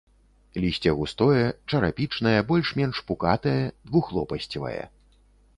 Лісце густое, чарапічнае, больш-менш пукатае, двухлопасцевае.